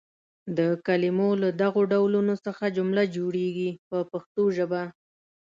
د کلمو له دغو ډولونو څخه جمله جوړیږي په پښتو ژبه.